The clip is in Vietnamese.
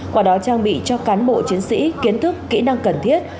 quả đó trang bị cho cán bộ chiến sĩ kiến thức kỹ năng cần thiết